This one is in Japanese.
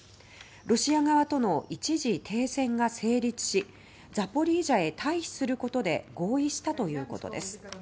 ロシア側との一時停戦が成立しザポリージャへ退避することで合意したとということです。